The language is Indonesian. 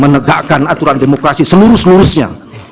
menegakkan aturan demokrasi seluruh seluruhnya